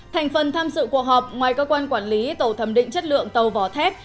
thành phần tham dự cuộc họp ngoài cơ quan quản lý tàu thẩm định chất lượng tàu vỏ thép